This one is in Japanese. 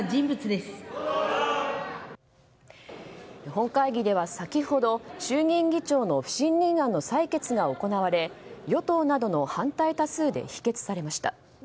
本会議では先ほど、衆議院議長の不信任案の採決が行われ与党などの反対多数で否決されました。